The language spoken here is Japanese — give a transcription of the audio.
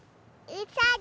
うさぎ？